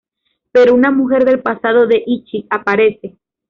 Pero una mujer del pasado de Ichi aparece.